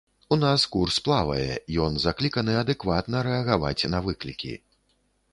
У нас курс плавае, ён закліканы адэкватна рэагаваць на выклікі.